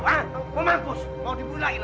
mau mampus mau dibulain